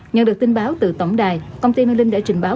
nhận được tin báo từ tổng đài công ty mơ linh đã trình báo